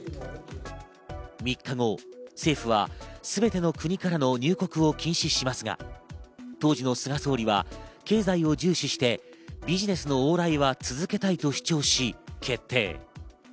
３日後、政府はすべての国からの入国を禁止しますが、当時の菅総理は経済を重視して、ビジネスの往来は続けたいと主張し、決定。